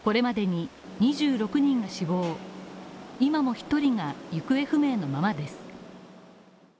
今も１人が行方不明のままです。